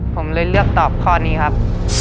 ผมเลยเลือกตอบข้อนี้ครับ